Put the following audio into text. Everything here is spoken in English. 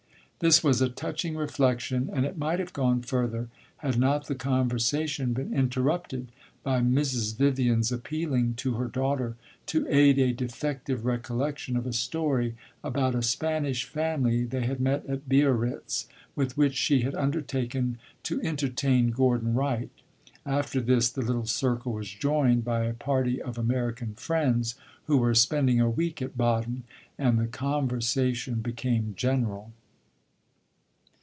This was a touching reflection, and it might have gone further had not the conversation been interrupted by Mrs. Vivian's appealing to her daughter to aid a defective recollection of a story about a Spanish family they had met at Biarritz, with which she had undertaken to entertain Gordon Wright. After this, the little circle was joined by a party of American friends who were spending a week at Baden, and the conversation became general.